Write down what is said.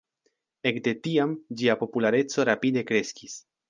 Ekde tiam ĝia populareco rapide kreskis.